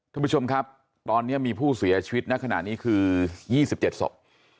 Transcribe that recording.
ท่านผู้ชมครับตอนนี้มีผู้เสียชีวิตณขณะนี้คือ๒๗ศพ